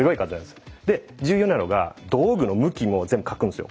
で重要なのが道具の向きも全部描くんですよ。